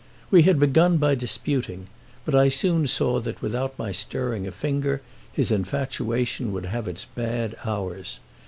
We had begun by disputing, but I soon saw that without my stirring a finger his infatuation would have its bad hours.